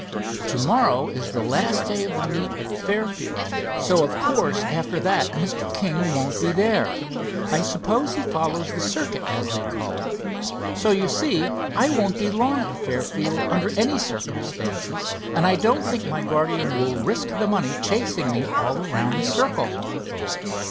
"To morrow is the last day of the meet at Fairfield, so of course after that Mr. King won't be there. I suppose he follows the circuit, as they call it. So, you see, I won't be long at Fairfield under any circumstances, and I don't think my guardian will risk the money chasing me all around the circle."